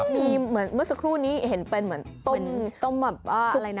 มีเหมือนเมื่อสักครู่นี้เห็นเป็นเหมือนต้มแบบว่าอะไรนะ